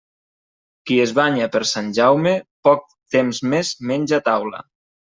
Qui es banya per Sant Jaume, poc temps més menja a taula.